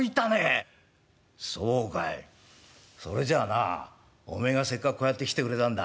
それじゃあなおめえがせっかくこうやって来てくれたんだ。